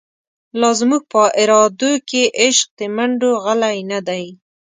لازموږ په ارادوکی، عشق دمنډوغلی نه دی